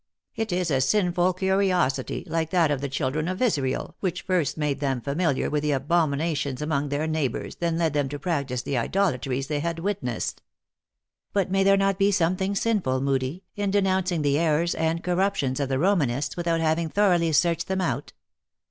It is a sinful curiosity, like that of the children of Israel, which first made them familiar with the abomina tions among their neighbors, then led them to practice the idolatries they had witnessed." " But may there not be something sinful, Moodie, in denouncing the errors and corruptions of the Ro manists, without having thoroughly searched them out?"